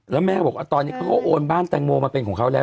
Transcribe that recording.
แล้วแม่ก็บอกว่าตอนนี้เขาก็โอนบ้านแตงโมมาเป็นของเขาแล้ว